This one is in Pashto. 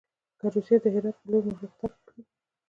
که روسیه د هرات پر لور پرمختګ وکړي.